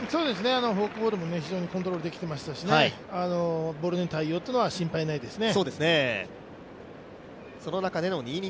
フォークボールも非常にコントロールできていましたしボールへの対応は心配ないですね。